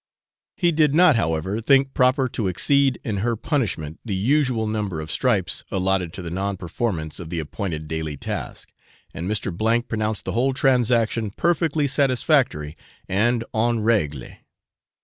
He did not, however, think proper to exceed in her punishment the usual number of stripes allotted to the non performance of the appointed daily task, and Mr. pronounced the whole transaction perfectly satisfactory and en règle.